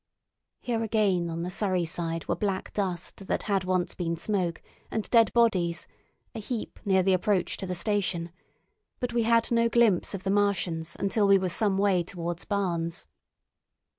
Here again on the Surrey side were black dust that had once been smoke, and dead bodies—a heap near the approach to the station; but we had no glimpse of the Martians until we were some way towards Barnes.